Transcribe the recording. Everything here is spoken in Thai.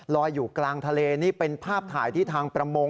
ลอยอยู่กลางทะเลนี่เป็นภาพถ่ายที่ทางประมง